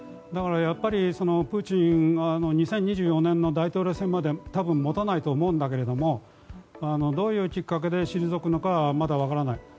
だから、プーチン２０２４年の大統領選まで多分もたないと思うんだけれどどういうきっかけで退くのかはまだ分からない。